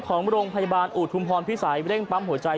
ของโรงพยาบาลอุทุมพรพิสัยเร่งปั๊มหัวใจ